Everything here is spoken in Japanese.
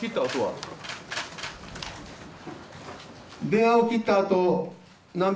電話を切ったあとは？